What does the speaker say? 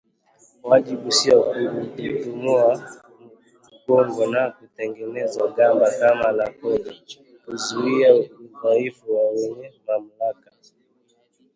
Wajibu sio kuututumua mgongo na kutengeneza gamba kama la kobe kuzuia udhaifu wa wenye mamlaka